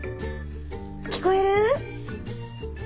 聞こえる？